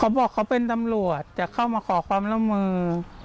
เขาบอกเขาเป็นตำรวจจะเข้ามาขอความร่วมมือ